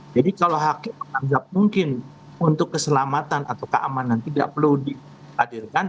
jadi kalau hakim menganggap mungkin untuk keselamatan atau keamanan tidak perlu diadakan